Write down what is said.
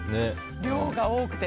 量が多くて。